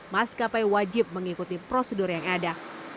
maskapai wajib mengikuti prosedur yang ada